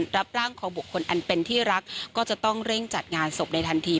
รับร่างของบุคคลอันเป็นที่รักก็จะต้องเร่งจัดงานศพในทันที